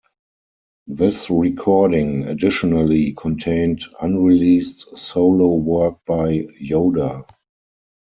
This recording additionally contained unreleased solo work by Yoder.